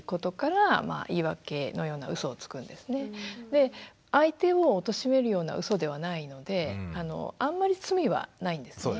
で相手をおとしめるようなうそではないのであんまり罪はないんですね。